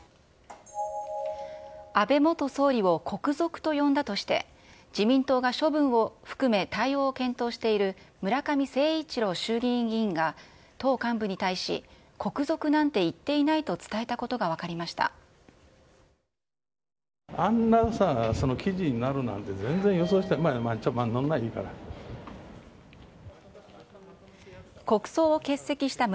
安倍元総理を国賊と呼んだとして、自民党が処分を含め対応を検討している、村上誠一郎衆議院議員が、党幹部に対し、国賊なんて言っていないと伝えたことが分かりました。